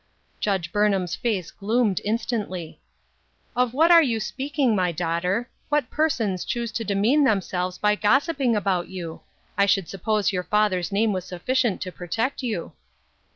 Judge Burnham's face gloomed instantly. " Of what are you speaking, my daughter ? What persons choose to demean themselves by gossiping about you ? I should suppose your father's name was sufficient to protect you."